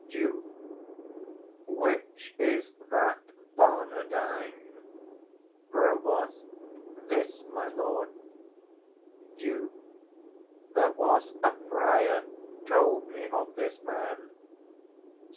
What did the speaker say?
_ Duke. Which is that Barnardine? Prov. This, my lord. Duke. There was a friar told me of this man.